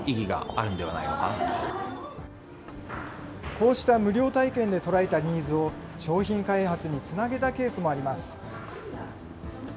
こうした無料体験で捉えたニーズを、商品開発につなげたケースもあります。